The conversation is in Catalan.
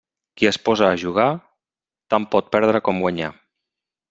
Qui es posa a jugar, tant pot perdre com guanyar.